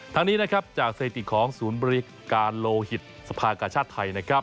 ทางนี้จากเศรษฐีของศูนย์บริการโลหิตสภาคชาติไทย